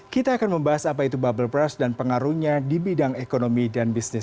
kita akan membahas apa itu bubble brush dan pengaruhnya di bidang ekonomi dan bisnis